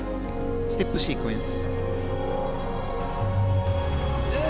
ステップシークエンス。